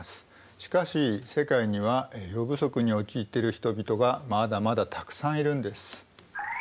しかし世界には栄養不足に陥っている人々がまだまだたくさんいるんです。